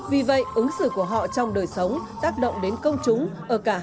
vì vậy ứng xử của họ trong đời sống tác động đến công chúng ở cả hai trường